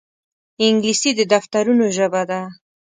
انګلیسي د دفترونو ژبه ده